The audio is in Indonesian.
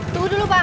tunggu dulu bang